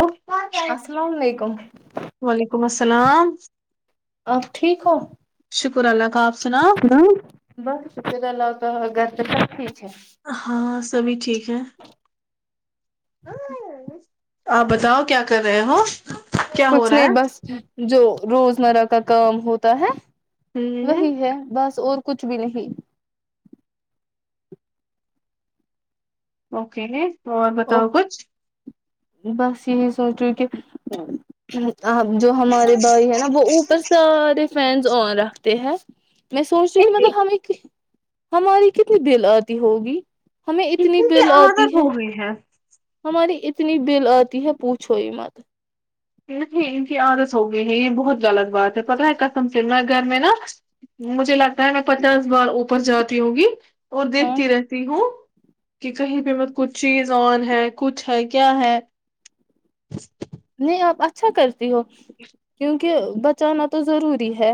ول السلام علیکم ولیکم السلام آ ٹھیک ہو شکر اللہ کا آپ سناؤ ہ بس شکد الو کا اگر ا تو کای چ ہاں سبھی ٹھیک [unintelligible] آپ بتاؤ کیا کر رہے ہو کیا ہو کچھ رہا نہیں بس جو روزمرہ کا کام ہوتا ہے ہے ہ وہی ہے بس اور کچھ بھی نہیں اوکے اور بتاؤ کچھ بس یہی سوچ رہو کہ جو ہمارے بھائی ہے نا وہ اوپر سارے فینس آ رہا ت ہے میں سوچتیی ہوں کہ ان میں کی توب ہمیں ہماری کتنی دل آتی ہوگی ہمیں کی اتنی کی آادت ہو ہوئی ہے تہاری اتنی بل آتی ہے پوچھو ہی مت نہیں ان کی عادت ہوگئی ہے یہ بہت غلط بات ہے پتہ ہے کتم فر میں گھر میں نا مجھے لگتا ہے میں پچاس بار اوپر جاتی ہوں گی اور ہاں دیکھتی رہتی ہوں کہ کہیں پہ مت کچھ چیز آن ہے کچھ ہے کیا ہے نہیں آپ اچھا کرتے ہو کیوں کہ بچانا تو ضروری ہے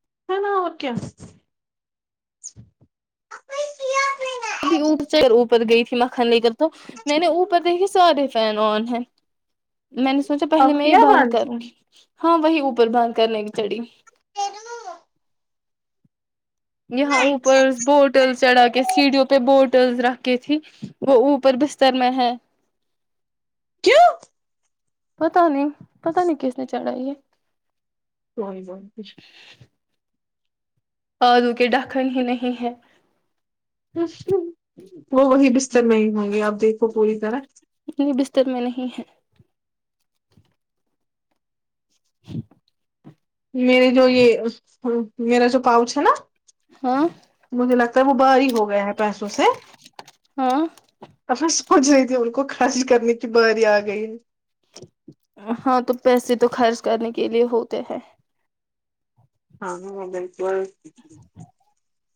س ن کیا ابھی اٹ چ اوپر گئی تھی میں کھن لے کر تو میں نے اوپر دیکے سارے فین آن ہیں میں نے سوچا پہلے اب میں یہ کیا بند کروں ہاں وہی اوپر باند کرنے کی چڑی یہاں اوپر بوٹل چڑھا کے سیڈیو پٹلز رکھھی تھی وہ اوپر بستر میں ہے کیوں پتا نہیں پتا نہیں کس نے چڑھاائی ہے وہئی بئیھ آدو کے ڈکن ہی نہیں ہے وہ وہی بستر سر نہیں ہوں گے آپ دیکو پور طرا بستر میں نہیں ہے ج میرے جو یہ ہاں میرا جو پاؤچ نا ہاں سب باہ ہی ہو گیا ہے پسو سے ہاں ت پھر پہنچ رہی تھی ان کو خالی کرنے کی باری آ گئی ہے ہاں تو پیسے تو خرچ کرنے کے لیے ہوتے ہیں ہاں ہاں بالکل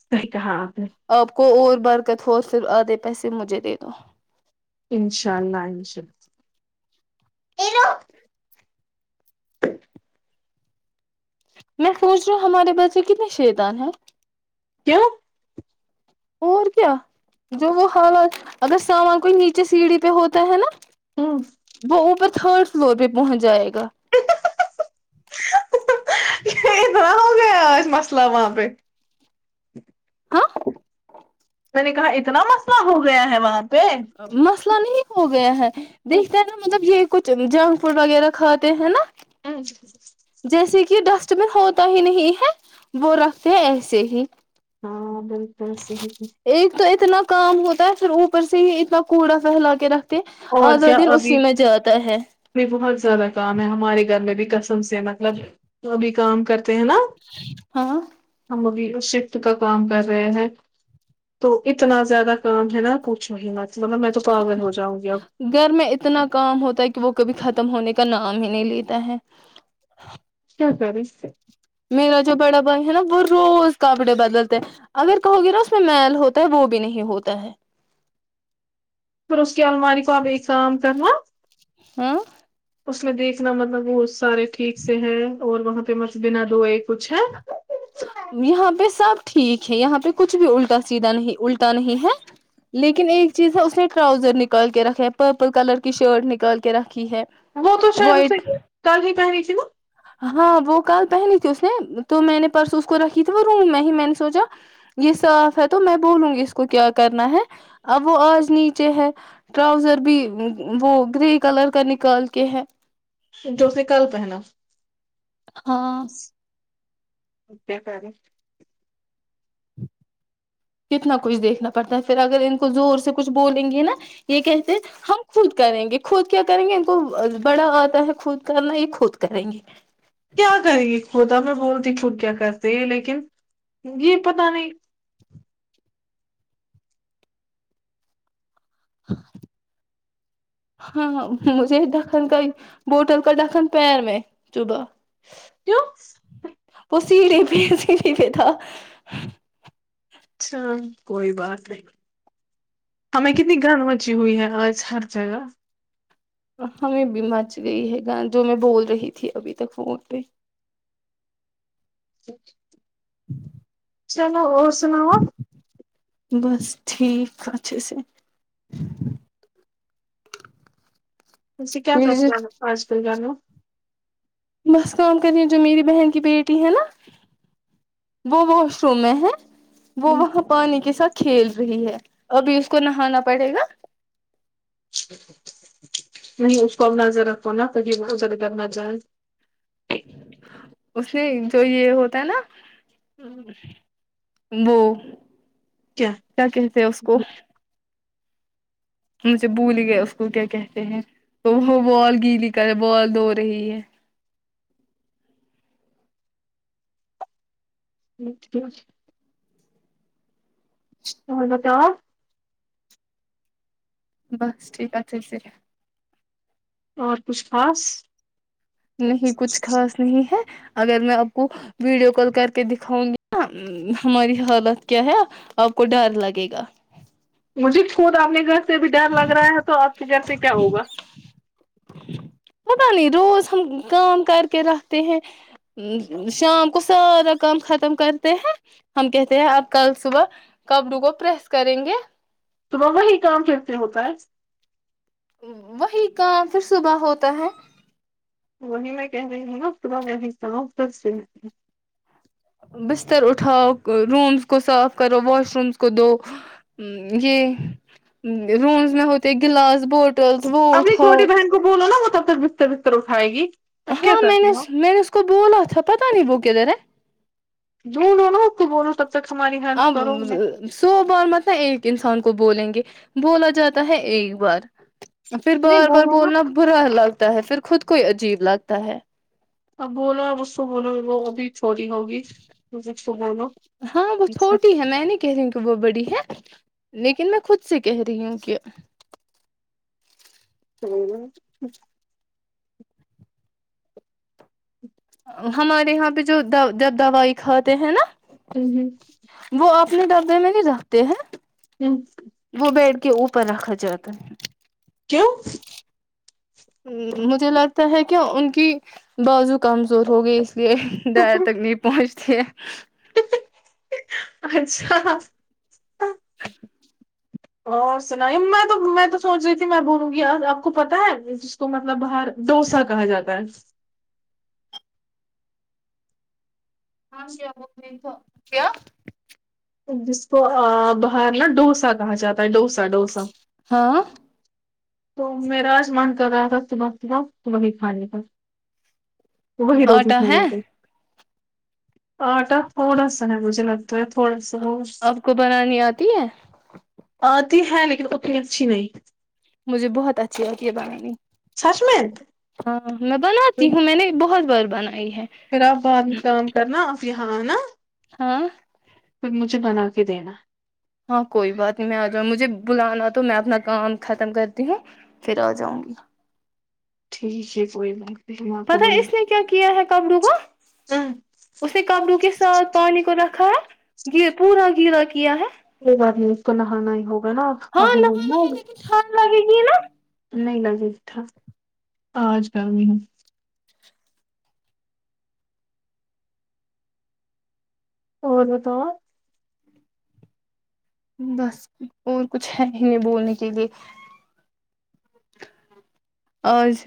سحییک ہاں آپ کو اور بھی برکت ہو پھر آدھے پیسے مجھے دے دو ایرو میں پوچ رہا ہوں ہمارے بچے کتنے شیطان ہیں کی اور کیا جو وہ حالات اگر سامان کوئی نیچے سیڑھی پہ ہوتا ہے نا ب پ تھوڑ فلور پہ پہنچ جائے گا کہ گیاس مسلہ وہاںپ ہاں میں نے کہا اتنا مسئلہ ہو گیا ہے وہاں پہ مسئلہ نہیں ہو گیا ہے دیکھتا ہاں ہے نا مطلب یہ کچھ چلو جنک فوڈ وغیرہ کھاتے ہیں نا ہاں جیسے کہ ڈسٹ بن ہوتا ہی نہیں ہے وہ رکھتے ہیں ایسے ہی ب پل س ت ایک تو اتنا کام ہوتا ہے پھر اوپر سے ہی اتنا کوڑا فہلا کے رکھتا اور آدھا کیا دن ابھی اسی میں جاتا ہے بہت زیادہ کام ہے ہمارے گھر میں بھی کس سے مطلب توب کام کرتے ہیں نا ہاں شفٹ کا کام کر رہے ہیں تو اتنا زیادہ کام ہے نا پچھو ہی نہ گھر میں اتنا کام ہوتا ہے کہ وہ کبھی خت ختم ہونے کا نام ہی نہیں لیتا ہے کرس سے میرا جو بڑا بھائی ہے نا وہ روز کپڑے بدلتے ہیں اگر کہو گے نا اس میں میل ہوتا ہے وہ بھی نہیں ہوتا ہے شسک ال و علیکم اب کام کرناا ہاں اس نے دیکھنا مطلب وہ سارے ٹھیک سے ہیں اور وہاں پہ مس بین دو یہ کچھ ہے یہاں پہ سب ٹھیک ہے یہاں پہ کچھ بھی الٹا سیدھا نہیں الٹا نہیں ہے لیکن ایک چیز ہے اس نے ٹراؤزر نکال کے رکھے پرپل کلر کی شرٹ نکال کے رکھ وہ تو شاید اس کر ہی پہنی ج ہاں وہ کال پہنی تھی اس نے تو میں نے پرس اس کو رکھی تھی وہ روم میں ہی میں نے سوچا یہ صاف ہے تو میں بولوں گی اس کو کیا کرنا ہے اب وہ آج نیچے ہے ٹراؤزر بھی وہ گرے کلر کا نکال کے ہے جو اس نے کل پہنا ہاں ا خ کتنا کچھ دیکھنا پڑتا ہے پھر اگر ان کو زور سے کچھ بولیں گے نا یہ کہتے ہیں ہم خود کریں گے خود کیا کریں گے ان کو بڑا آتا ہے خود کرنا یہ خود کریں گے کیا کری گ خدا میں بولتی خود کیا کرتی ہے لیکن یہ پت نہیں ہاں مجھے دکن کا بوٹل کا دکن پیر میں صبح کی وہ سیھے پہ سیڑھی پہ تھا اچھا کوئی بات نہیں ہمیں کتنی گھر ن ہو پنچی ہوئی ہے آج ہر جگہ ہمیں بھی مچ گئی ہے گ جو میں بول رہی تھی ابھی تک فون پہ ا چلو اور سناؤ بس ٹھیک اھ سر ت کیا کرستے آاج کل گو بس کام کر رہیں جو میری بہن کی بیٹی ہے نا وہ واش روم میں ہے وہ وہاں پانی کے ساتھ کھیل رہی ہے ابھی اس کو نہانا پڑے گا نہیں اس کو اب نظر رکھو نا تبھی وہ زردر نہ جائے اس میں جو یہ ہوتا ہے نا وہ کیا کہتے ہیں اس کو مجھے بھول ہی گیا اس کو کیا کہتے ہیں تو وہ بال گیلی کر بال دھو رہی ہے جچ توول بتا بس ٹھیک ہے تلسری اور کچھ خاص نہیں کچھ خاص نہیں ہے اگر میں آپ کو ویڈیو کال کر کے دکھاؤں گی نا ہماری حالت کیا ہے آپ کو ڈر لگے گا م خود آنے گ سے بھی ڈر لگ رہا ہے تو آپ کی ڈر سے کیا ہوگا پت نہیں روز ہم کام کر کے رتے ہیں شام کو سارا کام ختم کرتے ہیں ہم کہتے ہیں اب کل صبح کبرو کو پریس کریں گے توم ام وہ یہ کام کرتے ہوتا ہے وہی کام پھر صبح ہوتا ہے وہی میں کہہ رہی ہوں نا ق میں ابس سھر سے میں [inaudible] بستر اٹھاؤ رومز کو صاف کرو واش رومز کو دو یہ رومز میں ہوتے گلاس بورڈ اپنی چھوٹی بہن کو بولو نا وہ تب تک ب اٹھائے گی اب کیا ہاں میں کرتی نے ہو میں نے اس کو بولا تھا پتا نہیں وہ کدھر ہے [inaudible] ہیلپ اب کرو ہمیں سو بار مطلب ایک انسان کو بولیں گے بولا جاتا ہے ایک بار پھر نہیں بار بار بولو نا بولنا برا الگ ہے پھر خود کوئی عجیب لگتا ہے اب بولو اب اس کو بولو وہ ابھی چھوی ہوگی م ہاں وہ چھوٹی ہے میں نہیں کہہ رہی ہوں کہ وہ بڑی ہے لیکن میں خود سے کہہ رہی ہوں کہ ہوں [unintelligible] ہمارے یہاں پہ جو جب دوائی کھاتے ہیں نا ہوں ہ کتنے ڈبے میں بھی جاتے ہیں ہ [unintelligible] وہ بیڈ کے اوپر رکھا جاتا ہے کیوں ہ مجھے لگتا ہے کہ ان کی بازو کمزور ہو گئی یہ ڈائر تک نہیں پہنچتی تھ [unintelligible] اچھا [inaudible] اور سناائی میں تو میں تو سوچ رہی تھی میں بولوں گی آپ کو پتہ ہے جس کو مطلب باہر ڈوسا کہا جاتا ہے ہم کیا وہ تھا [inaudible] کیا جس کو آ باہرنا ڈوسا کہا جاتا ہے ڈوسا ڈوسا ہاں تو میرا آج من کر رہا تھا صبح صبح تو وہی کھانے پر وہی روٹیی آٹا ہے کھانے کا آٹا تھوڑا سا ہے مجھے لگتا ہے پس [unintelligible] آپ کو بنانی آتی ہے آتی ہے لیکن اتی اچھی نہیں مجھے بہت اچھی لتی ہے بنانی سچ میں ہاں میں بناتی ہوں میں نے بہت بار بنائی ہے پھر آپ باہر میں کام کرنا یہ ہاں نا [inaudible] ہاں پھر مجھے بنا کے دینا ہاں کوئی بات نہیں میں آ جاؤں مجھے بلانا تو میں اپنا کام ختم کرتی ہوں پھر آ جاؤں گی ٹھیک ہے کوئی ب پتا اس نے کیا کیا ہے قبرو کو اس نے قبرو کے ساتھ پانی کو رکھا ہے گ پورا گیلا کیا ہے وہ ب اس کو نہانا ہی ہوگا [unintelligible] ہاں آپ نے نہاں بولنا نہیں لیک تھھانڈ لگے گی نا نہیں لازے د تھاا آج کرل بھی ہوں ہو تو بس اور کچھ ہے ہی نہیں بولنے کے لیے آج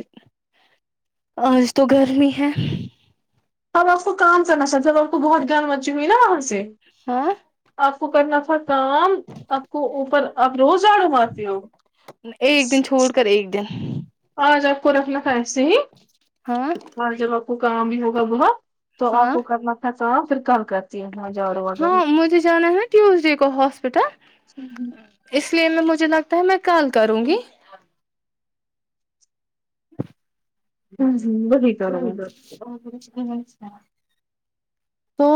آج تو گرمی ہے ہمب آپ کو کام سے نشرب آپ کو بہت گنم مچی ہوئی نا وہاں سے ہاں کرنافع کام ا کو اوپر ا روزڑوں معاف ہو ایک دن چھوڑ [unintelligible] کر ایک دن آ ج آپ کو ر اپنا [unintelligible] ایسے ہی ہاں اور جب آپ کو کام بھی ہوا ببو ہ [unintelligible] تو آپ ہاں کو کرنا خرچ ساں پھر کام کرتے ہاں مجھے جانا ہے ٹیوزڈے کو ہاسپٹل اس اس لیے میں مجھے لگتا ہے میں کال کروں گی ج [inaudible] ہوں، وہی کرو گے۔ [unintelligible] جچھا تو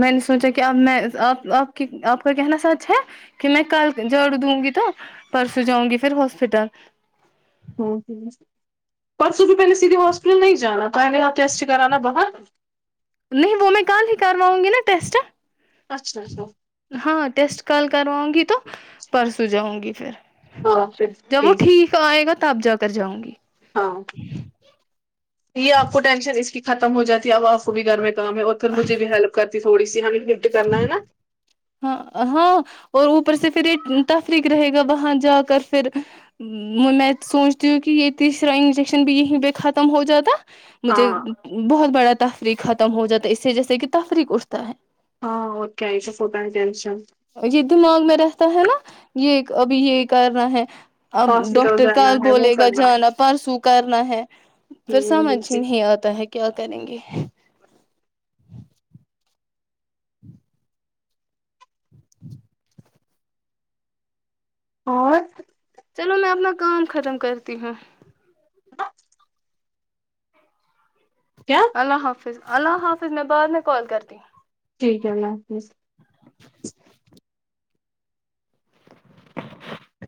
میں نے سوچا کہ آپ میںپ آپ کی آپ کا کہنا سچ ہے کہ میں کل جڑ دوں گی تو پرسوں جاؤں گی پھر ہاسپٹل ہ پر سو ر پہلے سیدھے ہواسپٹل نہیں جانا ک ہفتےسٹ کران نا بہت نہیں وہ میں کل ہی کرواؤں گی نا ٹیسٹ اچھا اچھا ہاں ٹیسٹ کال کرواؤں گی تو پرسوں جاؤں گی پھر ہاں پھر جب وہ ٹھیک آئے گا تو تب جا کر جؤں گی ہاں یہ آپ کو ٹینشن اس کی ختم ہو جاتی ہے اب بھی گھر میں کام ہے اتھر مجے بھی ہیلپ کرتی تھوڑی سی گفٹ کرنا ہے نا ہاں ہاں اور اوپر سے پھر یہ تفریق رہے گا وہاں جا کر پھر میں سوچتی ہوں کہ یہ تیسرا انجیکشن بھی یہیں پہ ختم ہو جاتا مجھے ہاں بہت بڑا تخ ختم ہو جاتا ہے اس سے جیسے کہ تفریح ہاں اور کیائی ف جینشن یہ دماغ میں رہتا ہے نا یہ ابھی یہ کرنا ہے اب ہاسپٹل ڈاکٹر جانا کل ہے وہ بولے گا کرنا ہے جانا پرسوں کرنا ہے پھر ہوں، سمجھ ہی بالکل نہیں آتا ہے کیا کریں گے اور چلو میں اپنا کام ختم کرتی ہوں ہ کیا اللہ حافظ اللہ حافظ میں بعد میں کال کرتی ہوں ٹھیک ہے اللہ حافظ [unintelligible]